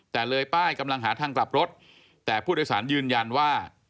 แต่เลยป้ายกำลังหาทางกลับรถแต่ผู้โดยสารยืนยันว่า